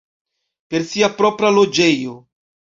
Per sia propra loĝejo.